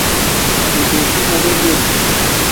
فتشی منوکُر چھی